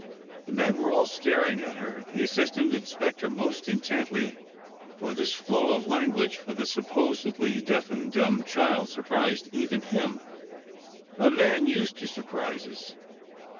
The men were all staring at her, the assistant inspector most intently, for this flow of language from the supposedly deaf and dumb child surprised even him a man used to surprises.